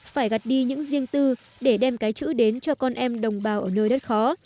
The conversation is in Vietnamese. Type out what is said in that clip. phải gặt đi những riêng tư để đem cái chữ đến cho con em đồng bào ở nơi đất khó